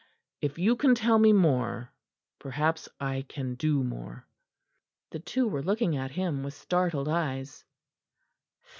If you can tell me more, perhaps I can do more." The two were looking at him with startled eyes.